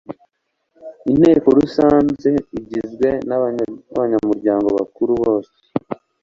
inteko rusange igizwe n'abanyamuryango nyakuri bose